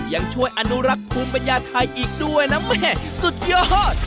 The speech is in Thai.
ยังช่วยอนุรักษ์ภูมิปัญญาไทยอีกด้วยนะแม่สุดยอด